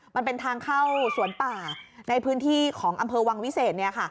มันเป็นทางเข้าสวนป่าในพื้นที่ของอำเภอวังวิเศษ